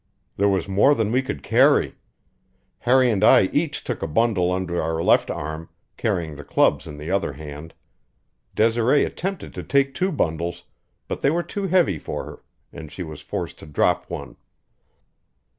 There was more than we could carry. Harry and I each took a bundle under our left arm, carrying the clubs in the other hand. Desiree attempted to take two bundles, but they were too heavy for her, and she was forced to drop one.